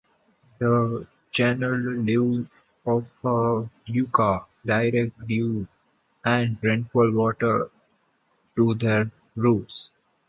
The channeled leaves of a yucca direct dew and rainfall water to their roots.